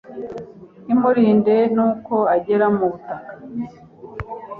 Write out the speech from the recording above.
Ntimurinde n'uko agera mu butaka